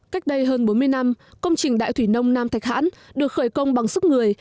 cách đây hơn bốn mươi năm công trình đại thủy nông nam thạch hãn được khởi công bằng sức người